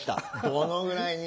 どのぐらいに。